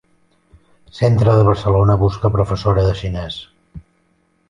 Centre de Barcelona busca professora de xinès.